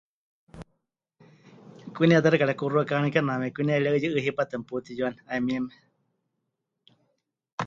Kwinie ta xɨka rekuxuká kename kwinie reuyu'ɨ hipátɨ meputiyuane, 'ayumieme.